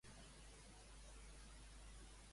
Quines altres figures més poden reconèixer-se com a tals?